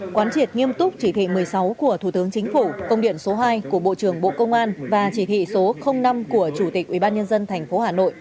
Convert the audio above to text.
quán triệt nghiêm túc chỉ thị một mươi sáu của thủ tướng chính phủ công điện số hai của bộ trưởng bộ công an và chỉ thị số năm của chủ tịch ubnd tp hà nội